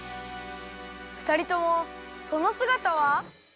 ふたりともそのすがたは？